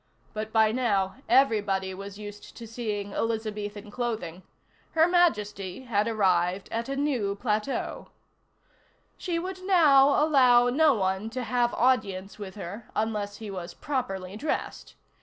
But by now, everybody was used to seeing Elizabethan clothing. Her Majesty had arrived at a new plateau. She would now allow no one to have audience with her unless he was properly dressed.